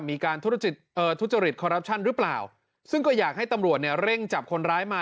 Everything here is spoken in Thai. มีการทุจริตคอรับชันหรือเปล่าซึ่งก็อยากให้ตำรวจเร่งจับคนร้ายมา